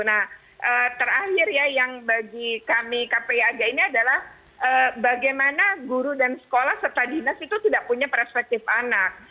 nah terakhir ya yang bagi kami kpi aja ini adalah bagaimana guru dan sekolah serta dinas itu tidak punya perspektif anak